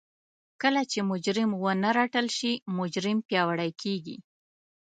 کله چې جرم ونه رټل شي مجرم پياوړی کېږي.